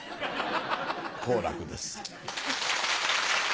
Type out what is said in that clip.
好楽です。